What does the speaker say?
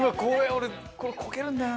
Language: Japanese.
俺これこけるんだよな